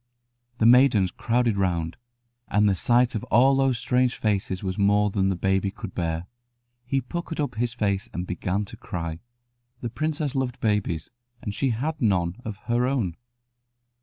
The maidens crowded round, and the sight of all those strange faces was more than the baby could bear. He puckered up his face and began to cry. The princess loved babies, and she had none of her own.